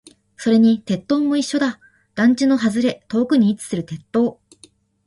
それに鉄塔も一緒だ。団地の外れ、遠くに位置する鉄塔。